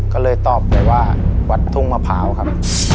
ก็เลยตอบไปว่าวัดทุ่งมะพร้าวครับ